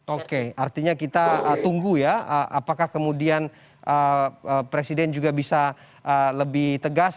oke artinya kita tunggu ya apakah kemudian presiden juga bisa lebih tegas